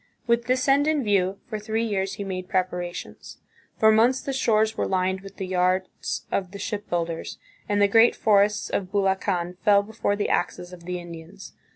With this end in view, for three years he made preparations. For months the shores were lined with the yards of the shipbuilders, and the great forests of Bulacan fell before the axes of the Indians.